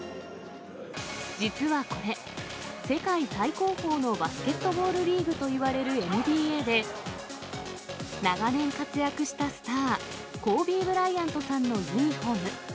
実はこれ、世界最高峰のバスケットボールリーグといわれるＮＢＡで、長年活躍したスター、コービー・ブライアントさんのユニホーム。